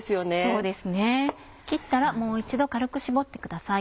そうですね切ったらもう一度軽く絞ってください。